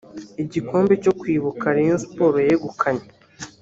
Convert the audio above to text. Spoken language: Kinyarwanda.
Igikombe cyo kwibuka Rayon Sport yegukanye